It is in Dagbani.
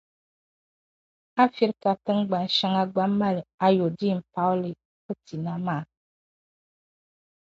Africa tiŋgban' shɛŋa gba mali ayodin Pauli fitiina maa.